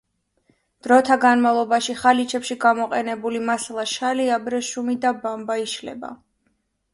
დროთა განმავლობაში ხალიჩებში გამოყენებული მასალა შალი, აბრეშუმი და ბამბა, იშლება.